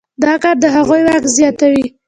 دا کار د هغوی واک زیاتوي.